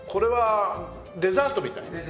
デザートみたい。